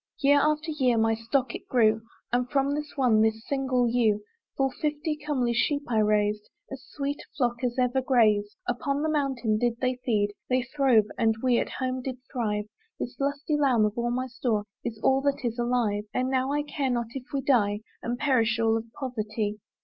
Year after year my stock it grew, And from this one, this single ewe, Full fifty comely sheep I raised, As sweet a flock as ever grazed! Upon the mountain did they feed; They throve, and we at home did thrive. This lusty lamb of all my store Is all that is alive: And now I care not if we die, And perish all of poverty.